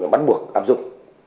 bắt buộc áp dụng